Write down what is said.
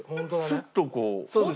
スッとこう。